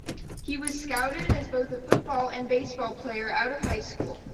He was scouted as both a football and baseball player out of high school.